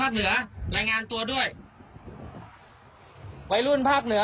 เฮ้ยว่าไงไว้รุ่นภาคเหนือ